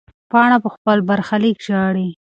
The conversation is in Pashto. پاڼه په خپل برخلیک ژاړي.